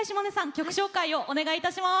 曲紹介をお願いいたします。